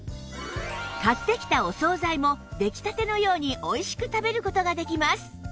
買ってきたお総菜も出来たてのようにおいしく食べる事ができます